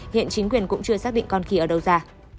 hiện chính quyền cũng chưa xác định con kỳ ở đâu ra